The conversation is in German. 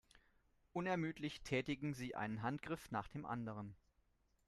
Unermüdlich tätigen sie einen Handgriff nach dem anderen.